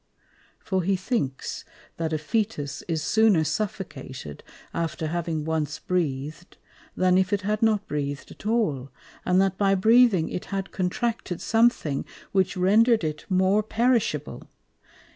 For he thinks, that a Fœtus is sooner suffocated after having once breath'd, than if it had not breath'd at all, and that by breathing it had contracted something which render'd it more perishable.